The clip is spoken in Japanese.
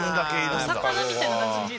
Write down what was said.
お魚みたいな感じ。